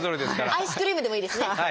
アイスクリームでもいいですね。